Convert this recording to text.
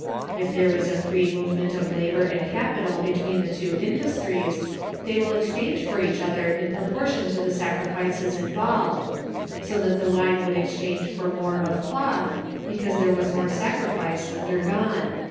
If there is a free movement of labor and capital between the two industries, they will exchange for each other in proportion to the sacrifices involved; so that the wine would exchange for more of cloth, because there was more sacrifice undergone.